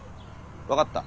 分かった。